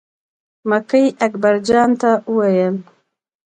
مکۍ اکبر جان ته وویل.